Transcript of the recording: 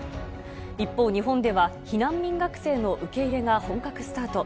一方、日本では避難民学生の受け入れが本格スタート。